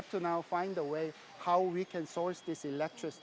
bagaimana kita dapat menghasilkan elektrisasi